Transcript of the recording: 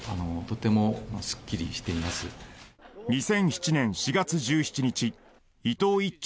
２００７年４月１７日伊藤一長